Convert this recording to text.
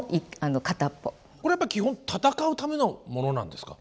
これやっぱ基本戦うための物なんですか？